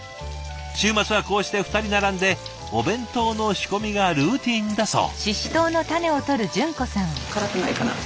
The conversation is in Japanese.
週末はこうして２人並んでお弁当の仕込みがルーティンだそう。